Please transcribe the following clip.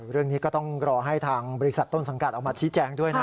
เรื่องนี้ก็ต้องรอให้ทางบริษัทต้นสังกัดออกมาชี้แจงด้วยนะ